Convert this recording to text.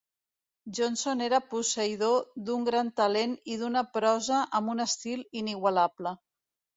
Johnson era posseïdor d'un gran talent i d'una prosa amb un estil inigualable.